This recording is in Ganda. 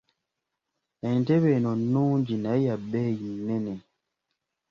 Entebe eno nnungi naye ya bbeeyi nnene.